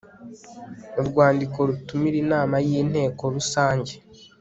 urwandiko rutumira inama y inteko rusange